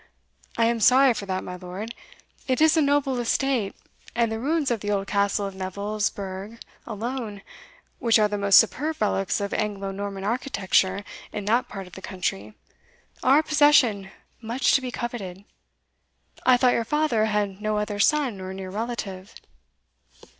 I am sorry for that, my lord it is a noble estate, and the ruins of the old castle of Neville's Burgh alone, which are the most superb relics of Anglo Norman architecture in that part of the country, are a possession much to be coveted. I thought your father had no other son or near relative."